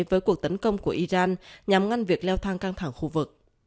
với cuộc tấn công của iran nhằm ngăn việc leo thang căng thẳng khu vực